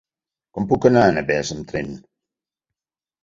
Com puc arribar a Navès amb tren?